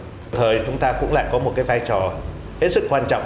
đồng thời chúng ta cũng lại có một cái vai trò hết sức quan trọng